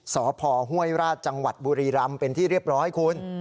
สพห้วยราชจังหวัดบุรีรำเป็นที่เรียบร้อยคุณ